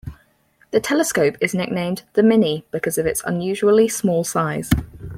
The telescope is nicknamed "The Mini" because of its unusually small size.